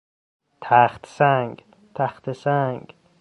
تخت سنگ، تخته سنگ